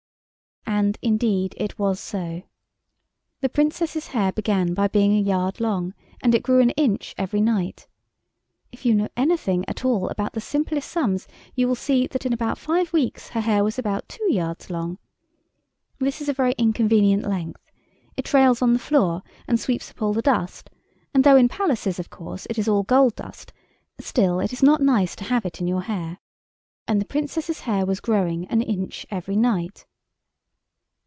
And, indeed, it was so. The Princess's hair began by being a yard long, and it grew an inch every night. If you know anything at all about the simplest sums you will see that in about five weeks her hair was about two yards long. This is a very inconvenient length. It trails on the floor and sweeps up all the dust, and though in palaces, of course, it is all gold dust, still it is not nice to have it in your hair. And the Princess's hair was growing an inch every night.